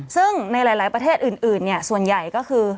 ซึ่งในหลายประเทศอื่นส่วนใหญ่ก็คือ